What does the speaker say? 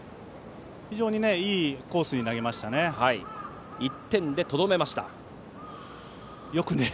非常にいいコースに投げましたね。